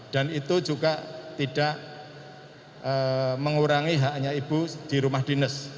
dan itu juga tidak mengurangi haknya ibu di rumah dinas